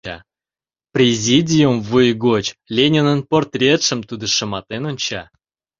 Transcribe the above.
Президиум вуй гоч Ленинын портретшым тудо шыматен онча.